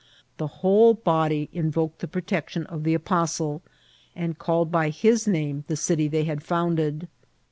The whole body invoked the protection of the apostle, and called by his name the city they had founded.